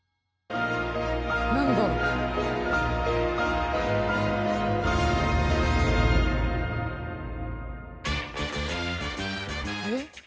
なんだろう？えっ？